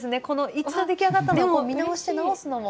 一度出来上がったのを見直して直すのも。